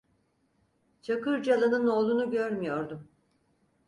Çakırcalı'nın oğlunu görmüyordum.